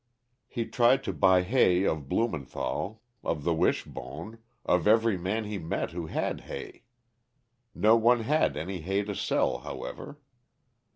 He tried to buy hay of Blumenthall, of the Wishbone, of every man he met who had hay. No one had any hay to sell, however.